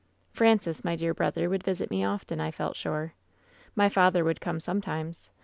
"Francis, my dear brother, would visit me often, I felt sure. My father would come sometimes.